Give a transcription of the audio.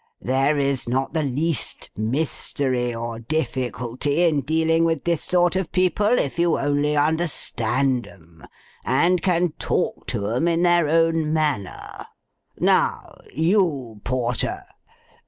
There is not the least mystery or difficulty in dealing with this sort of people if you only understand 'em, and can talk to 'em in their own manner. Now, you Porter!